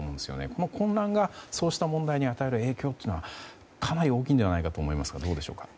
この混乱がそうした問題に与える影響はかなり大きいのではないかと思いますが、どうでしょうか？